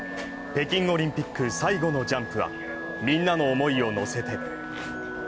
北京オリンピック、最後のジャンプは、みんなの思いを乗せて。